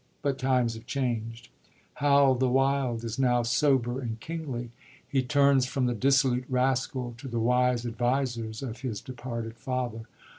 But times have changed : Hal the wild is now sober and kingly ; he turns from the dissolute rascal to the wise advisers of his departed father.